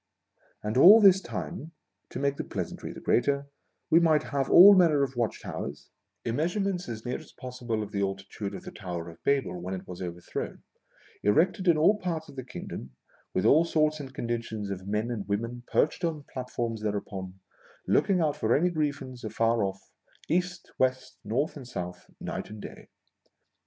And all this time, (to make the pleasantry the greater) we might have all manner of watch towers, in measure ment as near as possible of the altitude of the Tower of Babel when it was overthrown, erected in all parts of the kingdom, with all sorts and conditions of men and women perched on platforms thereupon, looking out for any grievance afar off, East, West, North, and South, night and day.